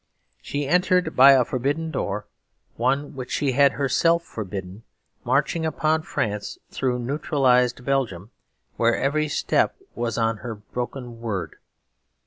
She entered by a forbidden door, one which she had herself forbidden marching upon France through neutralised Belgium, where every step was on her broken word.